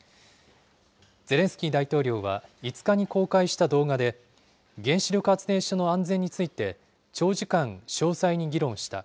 ゼレンスキー大統領は５日に公開した動画で、原子力発電所の安全について、長時間詳細に議論した。